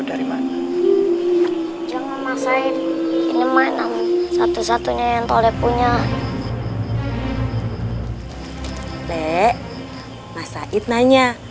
dari mana kamu mendapatkan topeng ini